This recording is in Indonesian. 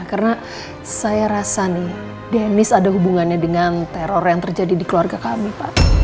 karena saya rasa nih dennis ada hubungannya dengan teror yang terjadi di keluarga kami pak